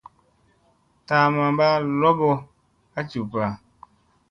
Taa mamma lob mɓo a jup pa.